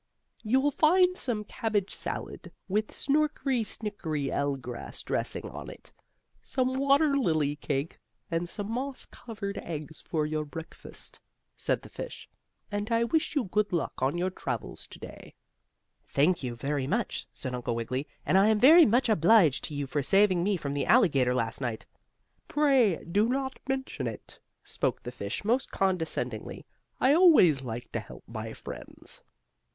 "You'll find some cabbage salad with snorkery snickery ell grass dressing on it, some water lily cake, and some moss covered eggs for your breakfast," said the fish. "And I wish you good luck on your travels to day." "Thank you very much," said Uncle Wiggily, "and I am very much obliged to you for saving me from the alligator last night." "Pray do not mention it," spoke the fish most condescendingly. "I always like to help my friends."